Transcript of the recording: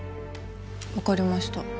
わかりました。